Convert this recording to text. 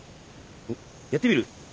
やってみる？